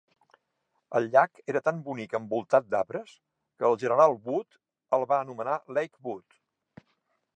El llac era tan bonic envoltat d'arbres, que el general Wood el va anomenar Lakewood.